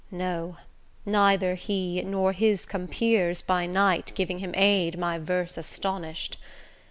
No, neither he, nor his compeers by night Giving him aid, my verse astonished.